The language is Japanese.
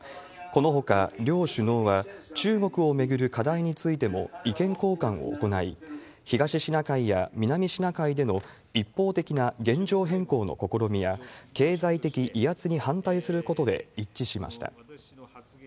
このほか、両首脳は中国を巡る課題についても意見交換を行い、東シナ海や南シナ海での一方的な現状変更の試みや、経済的威圧に反対することで一致しました。